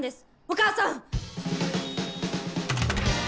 お母さん！